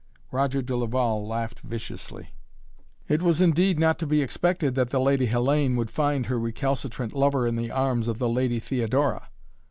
Roger de Laval laughed viciously. "It was indeed not to be expected that the Lady Hellayne would find her recalcitrant lover in the arms of the Lady Theodora."